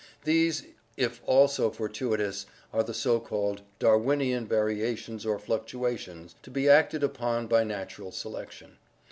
These, if also fortuitous, are the so called Darwinian va riations or fluctuations, to be acted upon by natural selection.